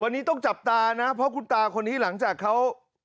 วันนี้ต้องจับตานะเพราะคุณตาคนนี้หลังจากเขา